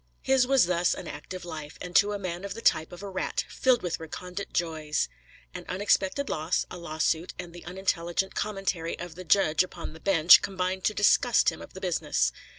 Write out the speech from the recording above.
His was thus an active life, and to a man of the type of a rat, filled with recondite joys. An unexpected loss, a law suit, and the unintelligent commentary of the judge upon the bench, combined to disgust him of the business.